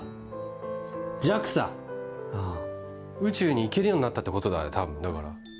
宇宙に行けるようになったってことだよ多分だから。